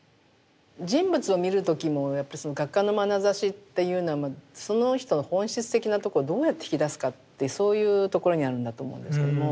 人物を見る時もやっぱりその画家のまなざしっていうのはその人の本質的なとこをどうやって引き出すかってそういうところにあるんだと思うんですけれども。